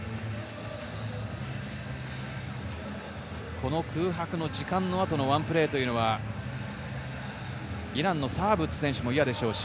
この空白の時間の後のワンプレーはイランのサーブを打つ選手も嫌でしょうし。